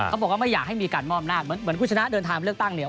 เขาบอกว่ามันอยากให้มีการมอบหน้าเหมือนกุชน้าเดินทางเลือกตั้งเนี่ย